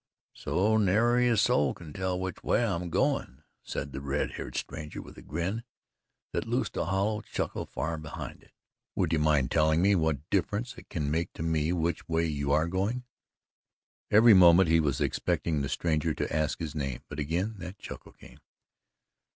"So nary a soul can tell which way I'm going," said the red haired stranger, with a grin that loosed a hollow chuckle far behind it. "Would you mind telling me what difference it can make to me which way you are going?" Every moment he was expecting the stranger to ask his name, but again that chuckle came.